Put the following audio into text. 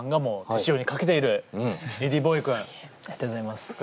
ありがとうございます。